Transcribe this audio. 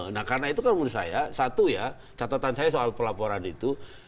nah karena itu kan menurut saya satu ya catatan saya soal pelaporan itu